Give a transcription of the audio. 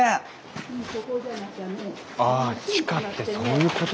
ああ地下ってそういうことなんだ。